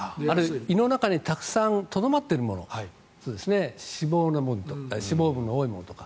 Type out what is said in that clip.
胃の中にたくさんとどまっているもの脂肪分の多いものとか。